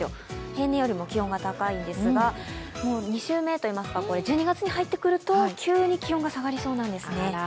平年よりも気温が高いんですが、２週目といいいますか、１２月に入ってくると、急に気温が下がりそうなんですね。